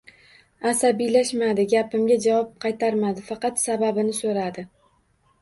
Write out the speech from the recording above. Asabiylashmadi, gapimga javob qaytarmadi, faqat sababini so‘radi